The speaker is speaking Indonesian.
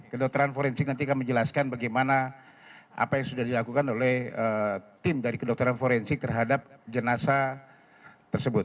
kedokteran forensik nanti akan menjelaskan bagaimana apa yang sudah dilakukan oleh tim dari kedokteran forensik terhadap jenazah tersebut